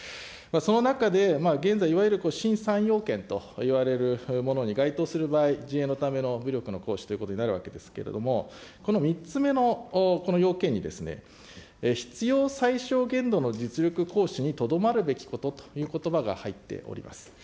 その中で、現在、いわゆる新３要件といわれるものに該当する場合、自衛のための武力の行使ということになるわけですけれども、この３つ目の要件に必要最小限度の実力行使にとどまるべきことということばが入っております。